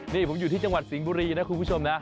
นี่ผมอยู่ที่จังหวัดสิงห์บุรีนะคุณผู้ชมนะ